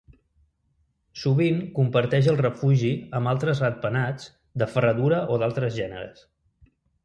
Sovint comparteix el refugi amb altres ratpenats de ferradura o d'altres gèneres.